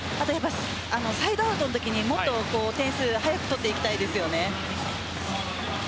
サイドアウトのときにもっと点数を早く取っていきたいです。